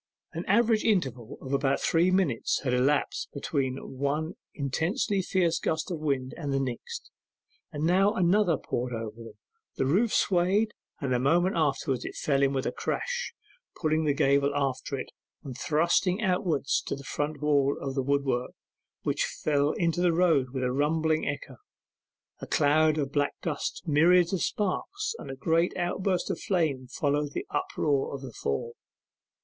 An average interval of about three minutes had elapsed between one intensely fierce gust of wind and the next, and now another poured over them; the roof swayed, and a moment afterwards fell in with a crash, pulling the gable after it, and thrusting outwards the front wall of wood work, which fell into the road with a rumbling echo; a cloud of black dust, myriads of sparks, and a great outburst of flame followed the uproar of the fall.